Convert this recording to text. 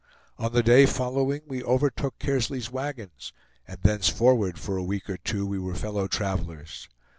On the day following we overtook Kearsley's wagons, and thenceforward, for a week or two, we were fellow travelers.